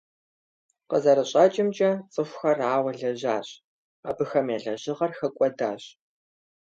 КъызэрыщӀэкӀымкӀэ, цӀыхухэр ауэ лэжьащ, абыхэм я лэжьыгъэр хэкӀуэдащ.